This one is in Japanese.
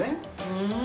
うん！